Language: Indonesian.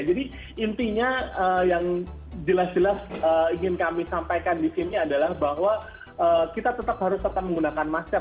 intinya yang jelas jelas ingin kami sampaikan di sini adalah bahwa kita tetap harus tetap menggunakan masker